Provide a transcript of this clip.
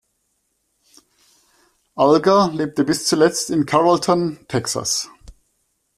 Alger lebte bis zuletzt in Carrollton, Texas.